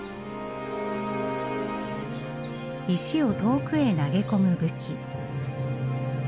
石を遠くへ投げ込む武器。